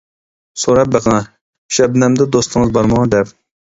سوراپ بېقىڭە «شەبنەمدە دوستىڭىز بارمۇ؟ » دەپ.